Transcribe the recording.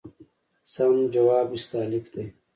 سم ځواب استالف دی.